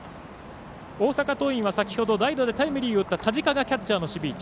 大阪桐蔭は先ほど代打でタイムリーを打った田近がキャッチャーの位置。